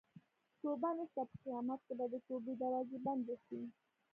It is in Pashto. توبه نشته په قیامت کې به د توبې دروازه بنده شي.